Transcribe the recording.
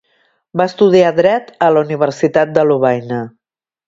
Va estudiar dret a la Universitat de Lovaina.